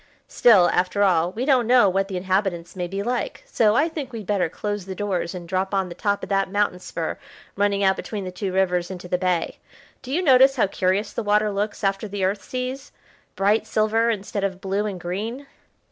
"Still, after all, we don't know what the inhabitants may be like, so I think we'd better close the doors, and drop on the top of that mountain spur running out between the two rivers into the bay. Do you notice how curious the water looks after the Earth seas; bright silver, instead of blue and green?"